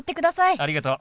ありがとう。